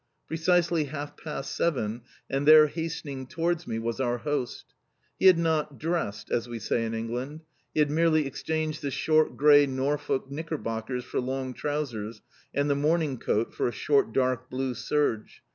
Precisely half past seven, and there hastening towards me was our host. He had not "dressed," as we say in England. He had merely exchanged the short grey Norfolk knickerbockers for long trousers, and the morning coat for a short dark blue serge.